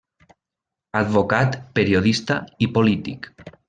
Advocat, periodista i polític.